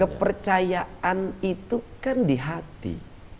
kepercayaan itu kan di hati